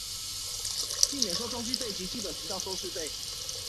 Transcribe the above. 並免收裝機費及基本頻道收視費